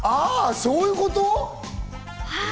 そういうこと？